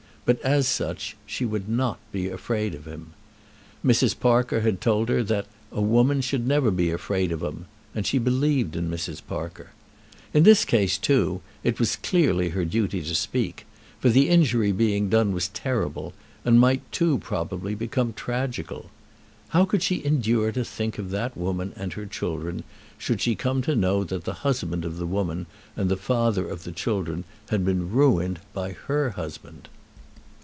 But, as such, she would not be afraid of him. Mrs. Parker had told her that "a woman should never be afraid of 'em," and she believed in Mrs. Parker. In this case, too, it was clearly her duty to speak, for the injury being done was terrible, and might too probably become tragical. How could she endure to think of that woman and her children, should she come to know that the husband of the woman and the father of the children had been ruined by her husband?